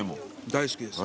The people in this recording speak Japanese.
大好きです。